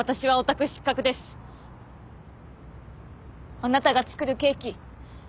あなたが作るケーキ